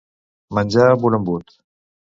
Menjar amb un embut.